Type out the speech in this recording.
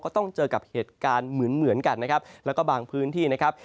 ต้องเจอกับเหตุการณ์เหมือนเหมือนกันนะครับแล้วก็บางพื้นที่นะครับ